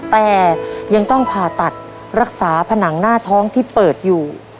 แต่ยังต้องผ่าตัดรักษาผนังหน้าท้องที่เปิดอยู่